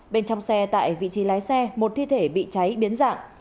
bên trong xe tại vị trí lái xe một thi thể bị cháy biến dạng